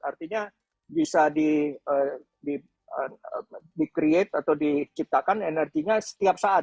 artinya bisa di create atau diciptakan energinya setiap saat